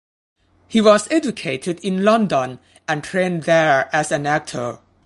He was educated in London and trained there as an actor.